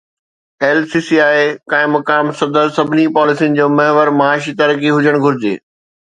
LCCI قائم مقام صدر سڀني پاليسين جو محور معاشي ترقي هجڻ گهرجي